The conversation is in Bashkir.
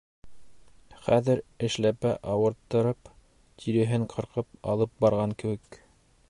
Хәҙер эшләпә ауырттырып, тиреһен ҡырҡып алып барған кеүек.